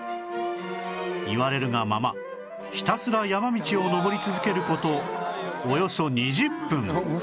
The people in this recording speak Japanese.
言われるがままひたすら山道を登り続ける事およそ２０分